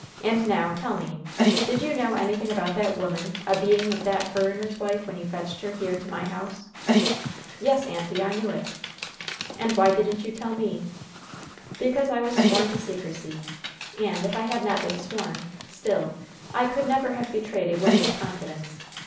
"And now, tell me, did you know anything about that woman a being of that furriner's wife when you fetched her here to my house?" "Yes, aunty, I knew it." "And why didn't you tell me?" "Because I was sworn to secrecy! And, if I had not been sworn, still, I could never have betrayed a woman's confidence.